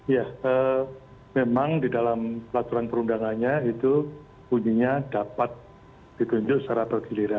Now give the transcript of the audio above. ya memang di dalam laturan perundangannya itu kuncinya dapat ditunjuk secara protokol